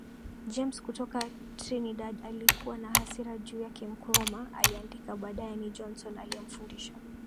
James kutoka Trinidad alikuwa na hasira juu yake Nkrumah aliandika baadaye ni Johnson aliyemfundisha